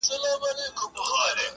ما وېل سفر کومه ځمه او بیا نه راځمه.